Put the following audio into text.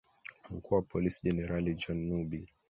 mkuu wa polisi generali john nubi